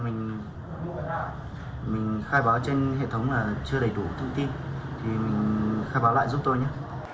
trường hợp đấy là mình khai báo trên hệ thống là chưa đầy đủ thông tin thì mình khai báo lại giúp tôi nhé